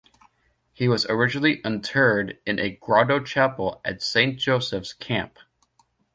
He was originally interred in a grotto chapel at Saint Joseph's camp.